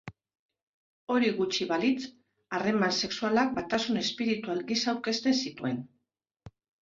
Hori gutxi balitz, harreman sexualak batasun espiritual gisa aurkeztu zituen.